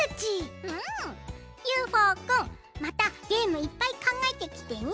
ＵＦＯくんまたゲームいっぱいかんがえてきてね。